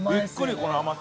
この甘さ。